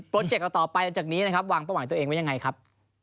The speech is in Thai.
เจกต์ต่อไปหลังจากนี้นะครับวางเป้าหมายตัวเองไว้ยังไงครับ